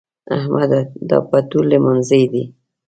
احمده! دا پټو لمانځي دی؟